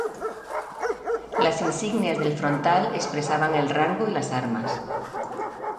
Las insignias del frontal expresaban el rango y las armas.